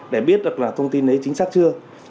để biết được là thông tin đấy chính xác chưa